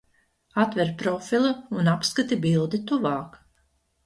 Atver profilu un apskati bildi tuvāk!